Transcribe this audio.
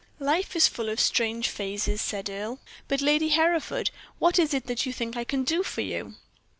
"Life is full of strange phases," said Earle. "But, Lady Hereford, what is it that you think I can do for you?"